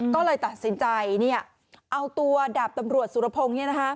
ก็เลยตัดสินใจเอาตัวดาบตำรวจสุรพงศ์